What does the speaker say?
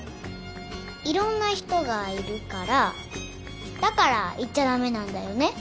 いろんな人がいるからだから言っちゃ駄目なんだよね？